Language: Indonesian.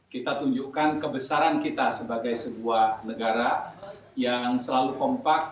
kita tunjukkan kebesaran kita sebagai sebuah negara yang selalu kompak